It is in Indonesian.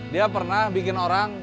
dia pernah bikin orang